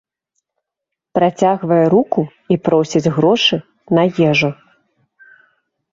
Працягвае руку і просіць грошы на ежу.